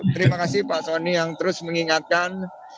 terima kasih pak soni yang terus mengingatkan